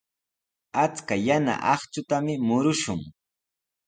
Achka yana akshutami murushun.